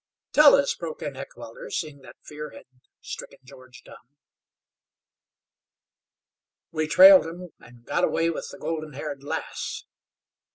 "Tell us," broke in Heckewelder, seeing that fear had stricken George dumb. "We trailed 'em an' got away with the golden haired lass.